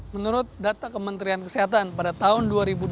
menurut data kementerian kesehatan pada tahun dua ribu dua puluh